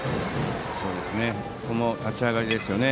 ここも立ち上がりですよね。